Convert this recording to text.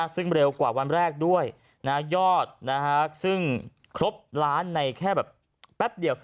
ซึ่งเร็วกว่าวันแรกด้วยยอดซึ่งครบล้านในแค่แบบแป๊บเดียว